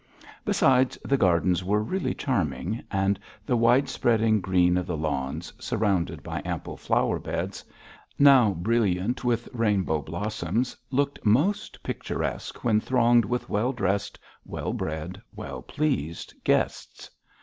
Besides, the gardens were really charming, and the wide spreading green of the lawns, surrounded by ample flower beds, now brilliant with rainbow blossoms, looked most picturesque when thronged with well dressed, well bred, well pleased guests.